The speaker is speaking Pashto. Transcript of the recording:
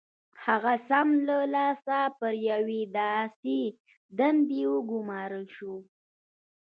هغه سم له لاسه پر یوې داسې دندې وګومارل شو